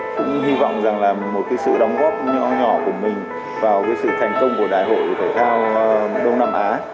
cũng hy vọng rằng là một cái sự đóng góp nhỏ nhỏ của mình vào cái sự thành công của đại hội thể thao đông nam á